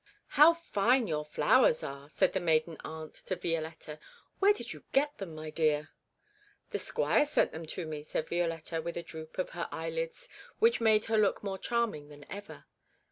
'How fine your flowers are!' said the maiden aunt to Violetta. 'Where did you get them, my dear?' 'The squire sent them to me,' said Violetta, with a droop of her eyelids which made her look more charming than ever.